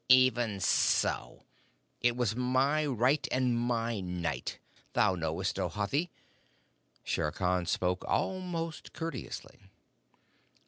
"Even so. It was my right and my Night. Thou knowest, O Hathi." Shere Khan spoke almost courteously.